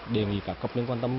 đề nghị các cấp